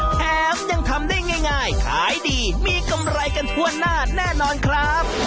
แถมยังทำได้ง่ายขายดีมีกำไรกันทั่วหน้าแน่นอนครับ